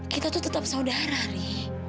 kita tuh tetap saudara nih